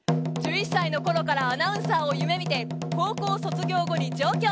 １１歳のころからアナウンサーを夢見て高校卒業後に上京。